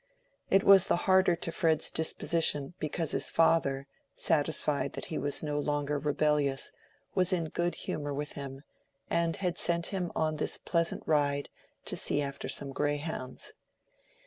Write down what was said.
It was the harder to Fred's disposition because his father, satisfied that he was no longer rebellious, was in good humor with him, and had sent him on this pleasant ride to see after some greyhounds.